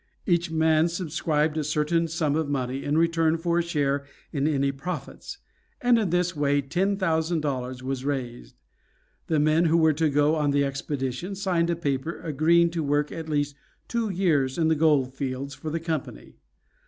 Each man subscribed a certain sum of money in return for a share in any profits, and in this way ten thousand dollars was raised. The men who were to go on the expedition signed a paper agreeing to work at least two years in the gold fields for the company.